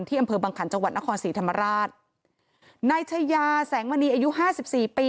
ที่อำเภอบางคันจังหวัดนครสรีธรรมราชนายชายาแสงมณีอายุ๕๔ปี